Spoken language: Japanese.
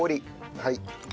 はい。